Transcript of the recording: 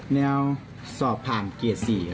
แนวสอบผ่านเกรด๔ครับ